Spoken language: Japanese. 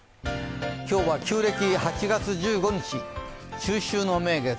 今日は旧暦８月１５日中秋の名月。